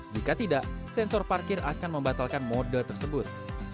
jika tidak sensor parkir akan membatalkan mode tersebut